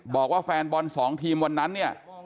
บอกว่าแฟนบอล๒ทีมวันนั้นเนี่ย